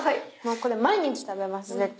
これ毎日食べます絶対。